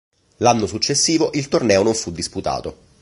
L'anno successivo il torneo non fu disputato.